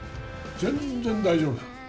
全然、大丈夫。